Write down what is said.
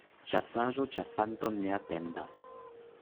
Ĉasaĵo ĉasanton ne atendas.